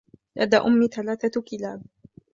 لدى أمي ثلاثة كلاب.